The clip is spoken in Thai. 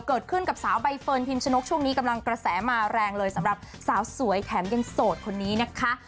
เกิดขึ้นกับสาวใบเฟิร์นพิมชนกช่วงนี้กำลังกระแสมาแรงเลยสำหรับสาวสวยแถมยังโสดคนนี้นะคะ